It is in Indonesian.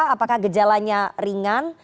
apakah gejalanya ringan